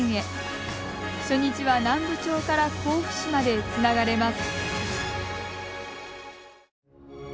初日は南部町から甲府市までつながれます。